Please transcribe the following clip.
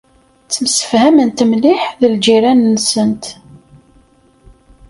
Ttemsefhament mliḥ d lǧiran-nsent.